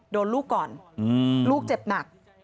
โดนลูกก่อนลูกเจ็บหนัก